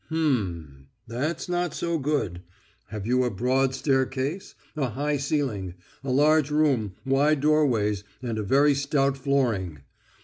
"H'm.... That's not so good.... Have you a broad staircase, a high ceiling, a large room, wide doorways, and a very stout flooring.